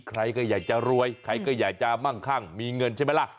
ใครก็อยากจะรวยใครก็อยากจะมั่งคั่งมีเงินใช่ไหมล่ะ